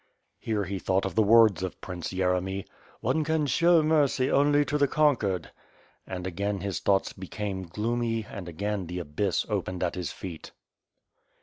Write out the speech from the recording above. .... Here he thought of the words of 5'oS WITH FIRE AND SWORD, Prince Yeremy: "One can show mercy only to the con quered," and again his thoughts became gloomy and again the abyss opened at his feet.